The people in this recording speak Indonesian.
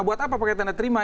buat apa pakai tanda terima